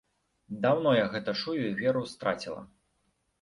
Даўно я гэта чую і веру страціла.